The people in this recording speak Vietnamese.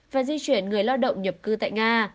và di chuyển người lao động nhập cư tại nga